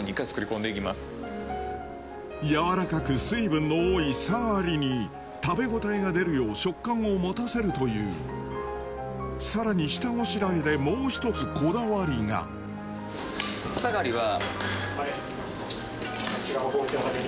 柔らかく水分の多いサガリに食べ応えが出るよう食感を持たせるというさらに下ごしらえでもう１つこだわりがサガリは。